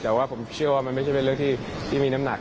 แต่ว่าผมเชื่อว่ามันไม่ใช่เป็นเรื่องที่มีน้ำหนัก